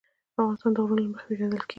افغانستان د غرونه له مخې پېژندل کېږي.